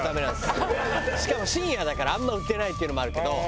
しかも深夜だからあんま売ってないっていうのもあるけど。